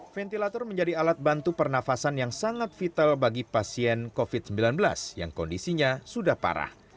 ventilator menjadi alat bantu pernafasan yang sangat vital bagi pasien covid sembilan belas yang kondisinya sudah parah